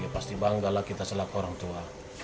pasti bangga lah kita selaku orang tua